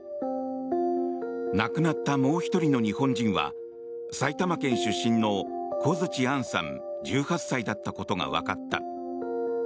亡くなったもう１人の日本人は埼玉県出身の小槌杏さん１８歳だったことがわかった。